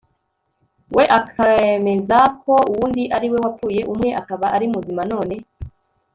we akemeza ko uw'undi ari we wapfuye uwe akaba ari muzima. none